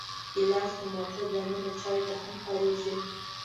ګیلاس د موټر دننه چایو ته هم کارېږي.